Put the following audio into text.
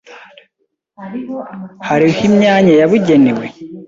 Hariho imyanya yabugenewe?